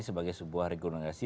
sebagai sebuah regenerasi